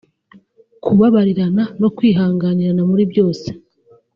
kubabarirana no kwihanganirana muri byose